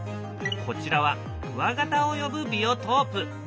こちらはクワガタを呼ぶビオトープ。